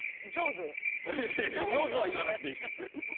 いやいやいや「上手」は言わなくていいんです。